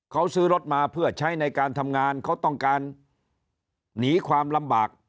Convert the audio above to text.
เขาซื้อรถมาเพื่อใช้ในการทำงานเขาต้องการหนีความลำบาก